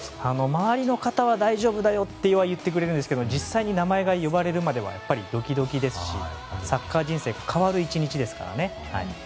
周りの方は大丈夫だよと言ってくれるんですけど実際に名前が呼ばれるまではやっぱりドキドキですしサッカー人生が変わる１日ですからね。